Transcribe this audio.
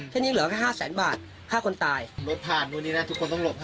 แค่เนี่ยงเหรอแค่ห้าแสนบาทค่าคนตายลบผ่านวันนี้นะทุกคนต้องลบให้